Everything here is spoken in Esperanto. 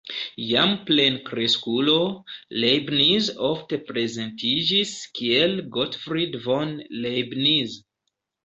Jam plenkreskulo, Leibniz ofte prezentiĝis kiel "Gottfried von Leibniz".